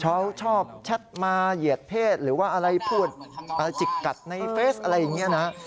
เขาชอบแชทมาเหยียดเพศหรือว่าอะไรพูดจิกกัดในเฟซอะไรอย่างนี้นะฮะ